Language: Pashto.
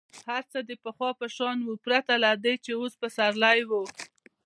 هر څه د پخوا په شان ول پرته له دې چې اوس پسرلی وو.